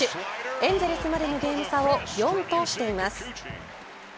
エンゼルスまでのゲーム差を４としています。